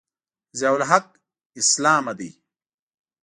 ضیأالحق اسلامه دی.